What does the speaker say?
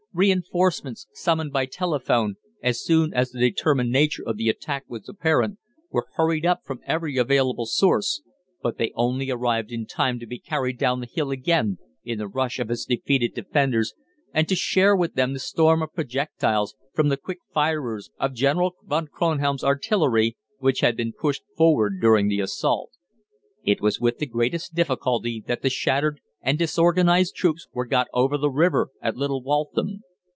Reinforcements summoned by telephone, as soon as the determined nature of the attack was apparent, were hurried up from every available source, but they only arrived in time to be carried down the hill again in the rush of its defeated defenders, and to share with them the storm of projectiles from the quick firers of General von Kronhelm's artillery, which had been pushed forward during the assault. It was with the greatest difficulty that the shattered and disorganised troops were got over the river at Little Waltham.